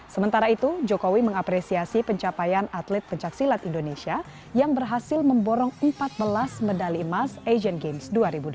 sementara itu jokowi mengapresiasi pencapaian atlet pencaksilat indonesia yang berhasil memborong empat belas medali emas asian games dua ribu delapan belas